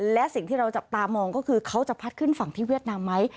และสิ่งที่เราจับตามองก็คือเขาจะพัดขึ้นฝั่งที่เวียดนามไหม